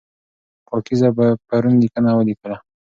پاکیزه پرون لیکنه ولیکله.